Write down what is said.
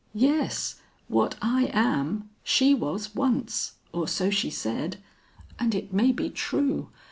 "Yes, what I am, she was once, or so she said. And it may be true.